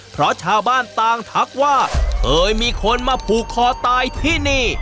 เพราะชาวบ้านต่างทักว่าเคยมีคนมาผูกคอตายที่นี่